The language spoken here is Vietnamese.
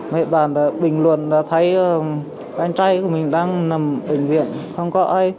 mẹ bàn bình luận là thấy anh trai của mình đang nằm bệnh viện không có ai